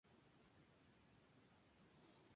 De pronto Peter empieza a interesarse en Cleveland Jr.